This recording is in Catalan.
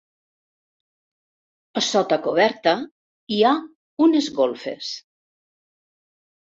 A sota coberta hi ha unes golfes.